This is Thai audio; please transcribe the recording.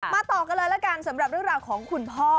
ต่อกันเลยละกันสำหรับเรื่องราวของคุณพ่อ